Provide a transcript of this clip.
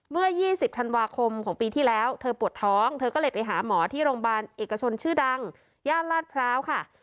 เมื่อ๒๐ธันวาคมของปีที่แล้วเธอปวดท้องเธอก็เลยไปหาหมอที่โรงพยาบาลเอกชนชื่อดังย่านลาดพร้าวค่ะ